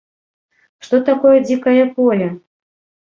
Што такое дзікае поле?